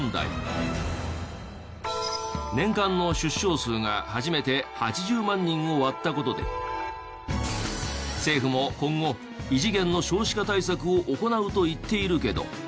年間の出生数が初めて８０万人を割った事で政府も今後異次元の少子化対策を行うと言っているけど。